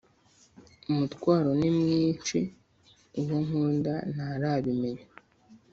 umutwaro nimwinshi uwo nkunda ntarabimenya